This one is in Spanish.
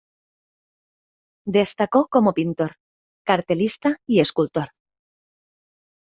Destacó como pintor, cartelista y escultor.